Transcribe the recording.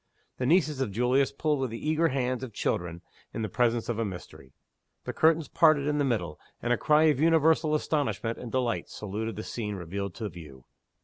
The nieces of Julius pulled with the eager hands of children in the presence of a mystery the curtains parted in the middle, and a cry of universal astonishment and delight saluted the scene revealed to view.